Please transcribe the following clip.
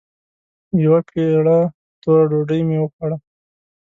يوه پېړه توره ډوډۍ مې وخوړه.